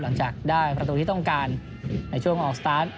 หลังจากได้ประตูที่ต้องการในช่วงออกสตาร์ท